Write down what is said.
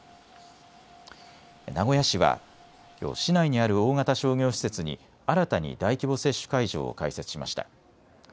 名古屋市はきょう、市内にある大型商業施設に新たに大規模接種会場を開設しました。